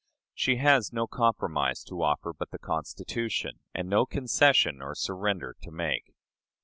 She has no compromise to offer but the Constitution, and no concession or surrender to make....